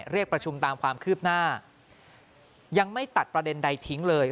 เรียกประชุมตามความคืบหน้ายังไม่ตัดประเด็นใดทิ้งเลย